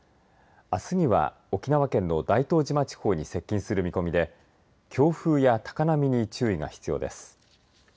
あすには沖縄県の大東島地方に接近する見込みで強風や高波に注意が必要です。